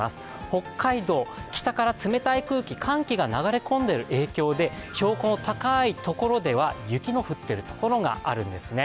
北海道、北から冷たい空気、寒気が流れ込んでいる影響で標高の高いところでは雪の降っているところがあるんですね。